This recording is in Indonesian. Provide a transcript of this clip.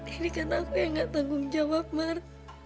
ini kan aku yang gak tanggung jawab mar